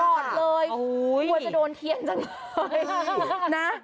กอดเลยควรจะโดนเทียนจังเลย